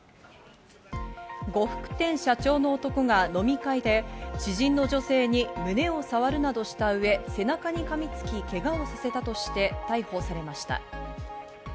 呉服店社長の男が飲み会で知人の女性に胸をさわるなどしたうえ背中にかみつき、けがをさせたとして逮捕されました。